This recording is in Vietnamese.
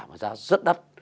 mà giá rất đắt